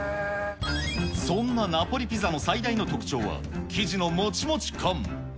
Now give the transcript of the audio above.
そんなナポリピザの最大の特徴は、生地のもちもち感。